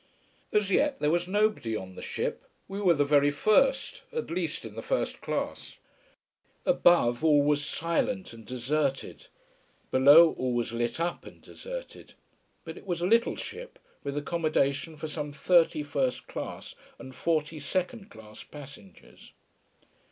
As yet there was nobody on the ship we were the very first, at least in the first class. Above, all was silent and deserted. Below, all was lit up and deserted. But it was a little ship, with accommodation for some thirty first class and forty second class passengers.